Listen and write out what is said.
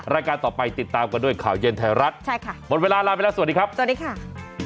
รายการต่อไปติดตามกันด้วยข่าวเย็นไทยรัฐหมดเวลาลาไปแล้วสวัสดีครับ